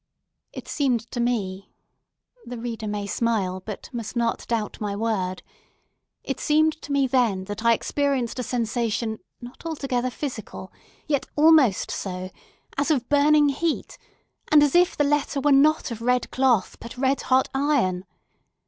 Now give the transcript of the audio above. It seemed to me—the reader may smile, but must not doubt my word—it seemed to me, then, that I experienced a sensation not altogether physical, yet almost so, as of burning heat, and as if the letter were not of red cloth, but red hot iron.